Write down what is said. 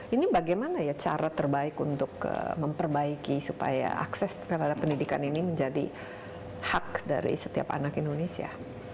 ini bagaimana ya cara terbaik untuk memperbaiki supaya akses terhadap pendidikan ini menjadi hak dari setiap anak indonesia